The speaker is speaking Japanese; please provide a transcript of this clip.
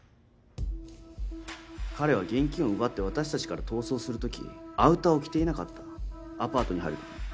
彼は現金を奪って私たちから逃走する時アウターを着ていなかったアパートに入る時も。